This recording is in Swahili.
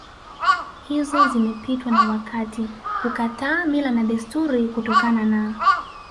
hizo zimepitwa na wakati kukataa mila na desturi kutokana na